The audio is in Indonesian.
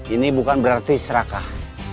ini bukan berarti serakah